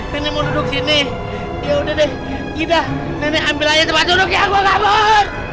nenek mau duduk sini ya udah deh kita nenek ambil aja tempat duduk ya gue kabur